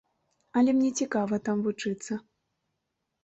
Але мне цікава там вучыцца.